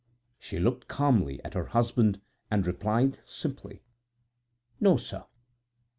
She looked calmly at her husband and replied simply: "No, sir."